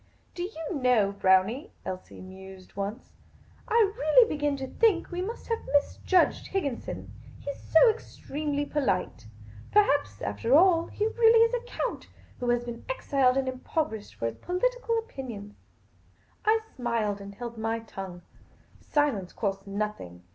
" Do you know, Brownie," Elsie mused once, " I really begin to think we must have misjudged Higginson. He 's so extremely polite. Perhaps, after all, he is really a count, who has been exiled and impoverished for his political opinions." I smiled, and held my tongue. Silence costs nothing.